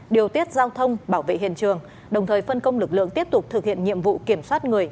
điều tiết giao thông bảo vệ hiện trường đồng thời phân công lực lượng tiếp tục thực hiện nhiệm vụ kiểm soát người